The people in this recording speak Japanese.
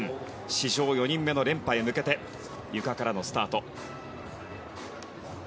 史上４人目の連覇に向けてゆかからのスタート。